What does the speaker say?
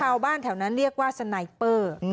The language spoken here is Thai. ชาวบ้านแถวนั้นเรียกว่าสไนเปอร์